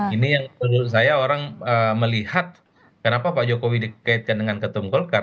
ini yang menurut saya orang melihat kenapa pak jokowi dikaitkan dengan ketum golkar